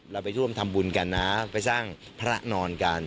เราไปร่วมทำบุญกันนะไปสร้างพระนอนกัน